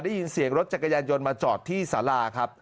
ได้ยินเสียงรถจักรยานยนต์มาจอดที่สาราครับ